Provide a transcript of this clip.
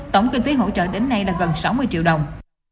tổng kinh phí hỗ trợ đến nay là gần sáu mươi triệu đồng